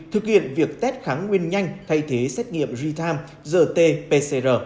thực hiện việc test kháng nguyên nhanh thay thế xét nghiệm ritam gt pcr